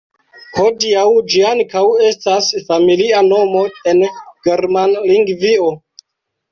Hodiaŭ ĝi ankaŭ estas familia nomo en Germanlingvio.